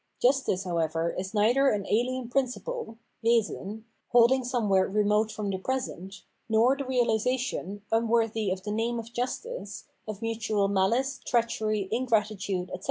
Justice, however, is neither an ahen principle (Wesen) holding somewhere remote from the present, nor the realisation (unworthy of the name of justice) of mutual mahce, treachery, ingratitude, etc.